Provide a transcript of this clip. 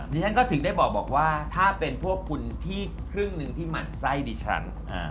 ฉันก็ถึงได้บอกว่าถ้าเป็นพวกคุณที่ครึ่งหนึ่งที่หมั่นไส้ดิฉัน